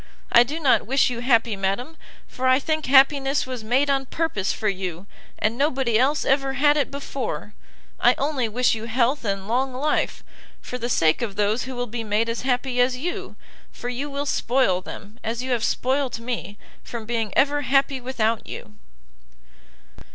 I do not wish you happy, madam, for I think happiness was made on purpose for you, and nobody else ever had it before; I only wish you health and long life, for the sake of those who will be made as happy as you, for you will spoil them, as you have spoilt me, from being ever happy without you!"